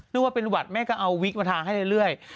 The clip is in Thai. นึกว่าเป็นหวัดแม่ก็เอาวิกมาทาให้เรื่อย